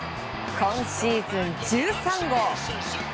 今シーズン１３号！